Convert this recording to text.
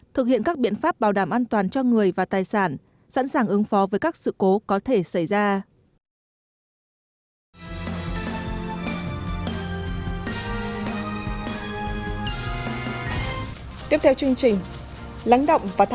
thực hiện các biện pháp bảo đảm an toàn cho người và tài sản sẵn sàng ứng phó với các sự cố có thể xảy ra